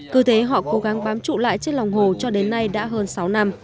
cứ thế họ cố gắng bám trụ lại trên lòng hồ cho đến nay đã hơn sáu năm